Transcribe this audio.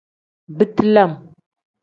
Biti lam.